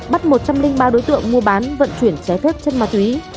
bắt một trăm linh ba đối tượng mua bán vận chuyển trái phép chất ma túy